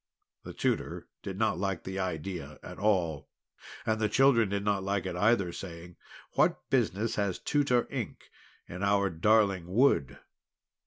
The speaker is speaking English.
The Tutor did not like the idea at all. And the children did not like it either, saying: "What business has Tutor Ink in our darling wood?"